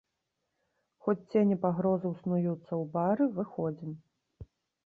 Хоць цені пагрозаў снуюцца ў бары, выходзім!